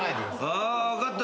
ああ分かった。